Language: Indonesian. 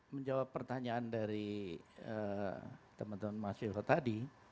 menjawab pertanyaan dari teman teman mas yoko tadi